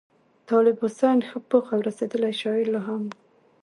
طالب حسین ښه پوخ او رسېدلی شاعر لا هم وو.